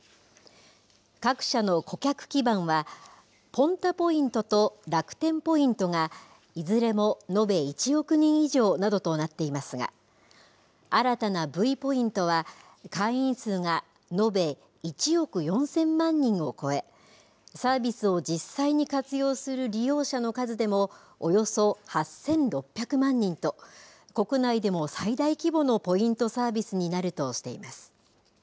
各社の顧客基盤は、Ｐｏｎｔａポイントと楽天ポイントが、いずれも延べ１億人以上などとなっていますが、新たなＶポイントは、会員数が延べ１億４０００万人を超え、サービスを実際に活用する利用者の数でも、およそ８６００万人と、国内でも最大規模のポイントサービスになるとしています。